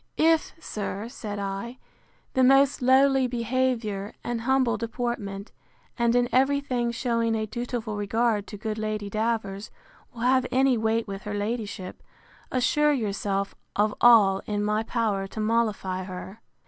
If, sir, said I, the most lowly behaviour, and humble deportment, and in every thing shewing a dutiful regard to good Lady Davers, will have any weight with her ladyship, assure yourself of all in my power to mollify her.